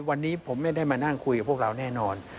วันนี้ผมไม่ได้มานั่งคุยกับพวกเราแน่นอน